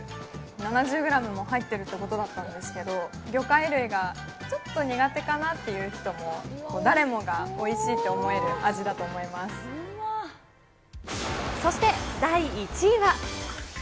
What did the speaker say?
７０グラムも入ってるということだったんですけど、魚介類がちょっと苦手かなという人も、誰もがおいしいって思える味だと思いまそして第１位は。